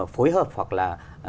phối hợp hoặc là